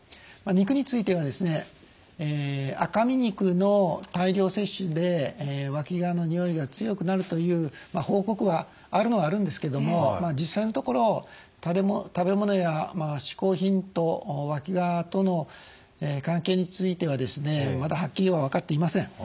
肉については赤身肉の大量摂取でわきがのにおいが強くなるという報告はあるのはあるんですけども実際のところ食べ物や嗜好品とわきがとの関係についてはまだはっきりは分かっていません。